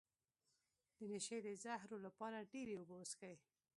د نشې د زهرو لپاره ډیرې اوبه وڅښئ